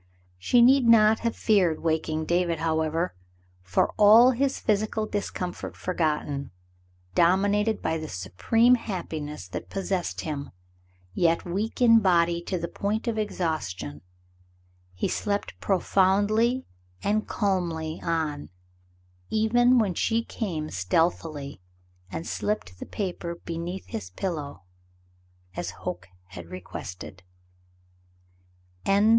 She need not have feared waking David, however, for, all his physical discomfort forgotten, dominated by the supreme happiness that possessed him, yet weak in body to the point of exhaustion, he slept profoundly and calmly on, even when she came stealthily and slipped the paper beneath his pillow, as Hoke had requested.